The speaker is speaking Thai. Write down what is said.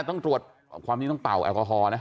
ต้องตรวจความจริงต้องเป่าแอลกอฮอลนะ